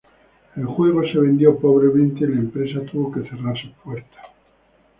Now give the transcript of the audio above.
El juego se vendió pobremente, y la empresa tuvo que cerrar sus puertas.